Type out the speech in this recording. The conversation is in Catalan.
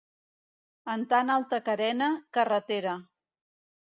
En tan alta carena, carretera.